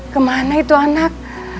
kemana itu anak